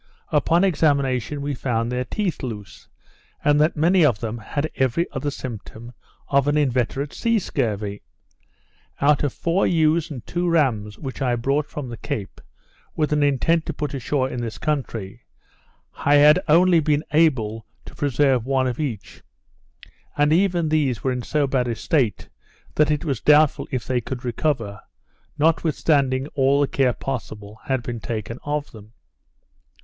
Upon examination, we found their teeth loose; and that many of them had every other symptom of an inveterate sea scurvy. Out of four ewes and two rams which I brought from the Cape, with an intent to put ashore in this country, I had only been able to preserve one of each; and even these were in so bad a state, that it was doubtful if they could recover, notwithstanding all the care possible had been taken of them.